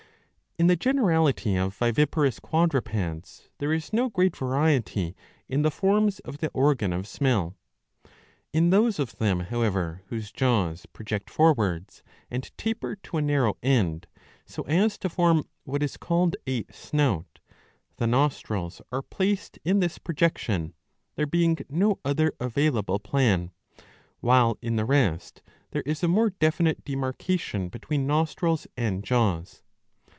In the generality of viviparous quadrupeds, there is no great variety in the forms of the organ of smell. In those of them however whose jaws project forwards and taper to a narrow end, so as to form what is called a snout, the nostrils are placed in this projection, there being no other available plan ; while, in the rest, there is a more definite demarcation between nostrils and jaws.